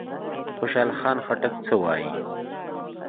خوشحال خټک څه وايي؟